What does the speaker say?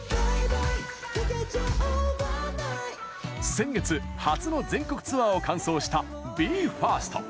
先月、初の全国ツアーを完走したＢＥ：ＦＩＲＳＴ。